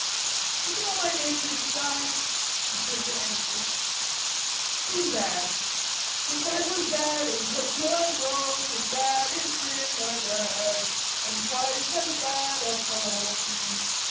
D'you know my name for this guy?" He turned to Andrews.... "Sinbad!" "Sinbad was in bad in Tokio and Rome, In bad in Trinidad And twice as bad at home."